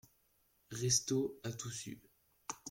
Restaud a tout su.